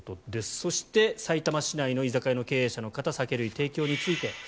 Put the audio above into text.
そして、さいたま市内の居酒屋の経営者の方酒類提供について。